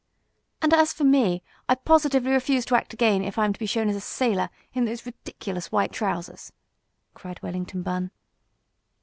"And as for me I positively refuse to act again, if I am to be shown as a sailor, in those ridiculous white trousers!" cried Wellington Bunn.